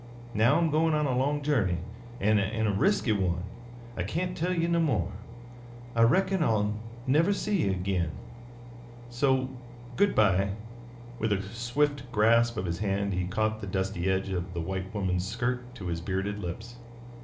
"Now I'm goin' on a long journey, an' a resky one; I kain't tell ye no more. I reckon I'll never see ye agin. So good by." With a swift grasp of his hand he caught the dusty edge of the white woman's skirt to his bearded lips.